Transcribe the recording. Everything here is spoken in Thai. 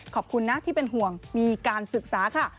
ขอบคุณนะที่เป็นห่วงมีการศึกษาค่ะ